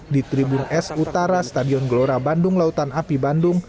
di tribun es utara stadion gelora bandung lautan api bandung